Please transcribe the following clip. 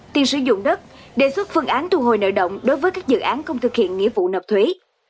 tiền sử dụng đất đề xuất phương án thu hồi nợ động đối với các dự án không thực hiện nghĩa vụ nộp thuế